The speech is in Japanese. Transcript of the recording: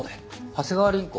長谷川凛子？